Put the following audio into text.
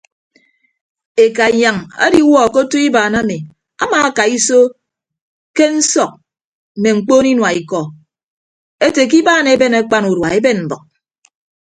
Eka inyañ ediwuọ ke otu ibaan ami amaakaiso ke nsọk mme mkpoon inua ikọ ete ke ibaan eben akpan udua eben mbʌk.